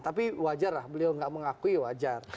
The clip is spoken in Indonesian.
tapi wajar lah beliau nggak mengakui wajar